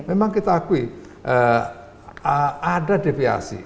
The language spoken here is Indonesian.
memang kita akui ada deviasi